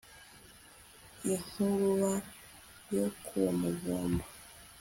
inkuruba yo ku Muvumba